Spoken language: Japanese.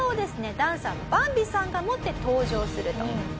ダンサーのバンビさんが持って登場すると。